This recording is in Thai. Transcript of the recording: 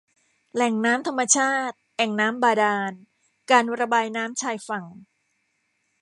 แหล่งน้ำธรรมชาติ แอ่งน้ำบาดาล การระบายน้ำชายฝั่ง